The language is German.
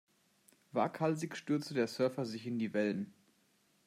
Waghalsig stürzte der Surfer sich in die Wellen.